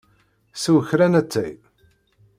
Sew kra n ttay.